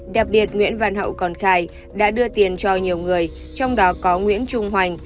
đặc biệt nguyễn văn hậu còn khai đã đưa tiền cho nhiều người trong đó có nguyễn trung hoành